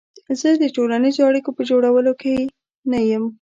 زه د ټولنیزو اړیکو په جوړولو کې نه یم.